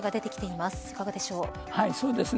いかがでしょう。